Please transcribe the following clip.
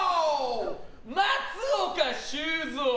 松岡修造！